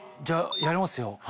じゃやりますよ。